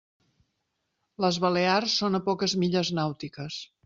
Les Balears són a poques milles nàutiques.